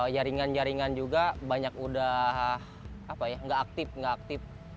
jaringan jaringan juga banyak sudah nggak aktif